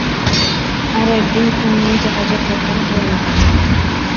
আর একদিন, তুমি এই জাহাজের ক্যাপ্টেন হয়ে উঠবে।